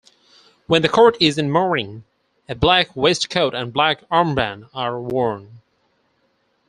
When the court is in mourning a black waistcoat and black armband are worn.